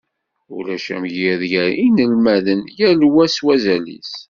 Ulac amgired gar yinelmaden, yal wa s wazal-is.